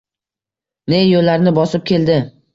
Ne yoʼllarni bosib keldi